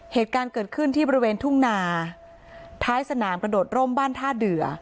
เหตุการณ์เกิดขึ้นที่บริเวณทุ่งนาท้ายสนามกระโดดร่มบ้านท่าเดือ